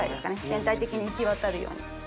全体的に行きわたるように。